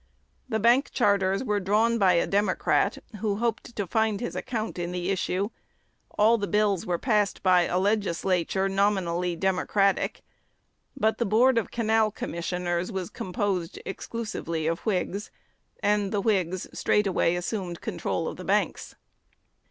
The bank charters were drawn by a Democrat who hoped to find his account in the issue; all the bills were passed by a Legislature "nominally" Democratic; but the Board of Canal Commissioners was composed exclusively of Whigs, and the Whigs straightway assumed control of the banks.